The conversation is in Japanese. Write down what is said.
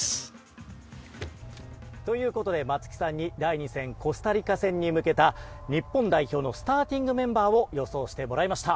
松木さんに第２戦コスタリカ戦に向けた日本代表のスターティングメンバーを予想してもらいました。